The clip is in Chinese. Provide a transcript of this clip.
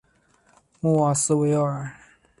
穆瓦斯维尔。